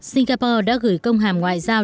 singapore đã gửi công hàm ngoại giao